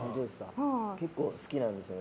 結構好きなんですよね。